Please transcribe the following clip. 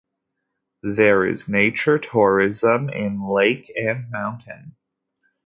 There is nature tourism, in lake and mountain.